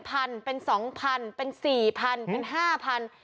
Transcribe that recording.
เป็น๒๐๐๐เป็น๔๐๐๐เป็น๕๐๐๐